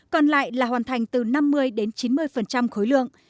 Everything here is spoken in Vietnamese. còn lại là hoàn thành từ năm mươi đến chín mươi khối lượng